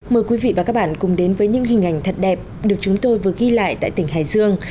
mời quý vị và các bạn cùng đến với những hình ảnh thật đẹp được chúng tôi vừa ghi lại tại tỉnh hải dương